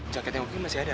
jaketnya oki masih ada